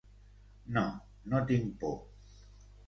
No, no tinc por.